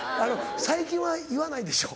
最近は言わないでしょ？